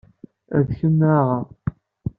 Ad kem-aɣeɣ.